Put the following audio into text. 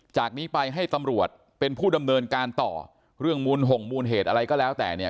จากนี้ไปให้ตำรวจเป็นผู้ดำเนินการต่อเรื่องมูลห่งมูลเหตุอะไรก็แล้วแต่เนี่ย